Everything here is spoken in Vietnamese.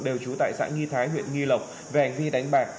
đều trú tại xã nghi thái huyện nghi lộc về hành vi đánh bạc